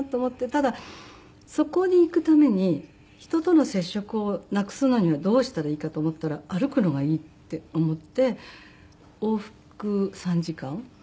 ただそこに行くために人との接触をなくすのにはどうしたらいいかと思ったら歩くのがいいって思って往復３時間？